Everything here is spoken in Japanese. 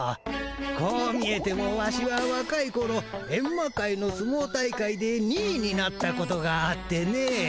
こう見えてもワシはわかいころエンマ界のすもう大会で２位になったことがあってねえ。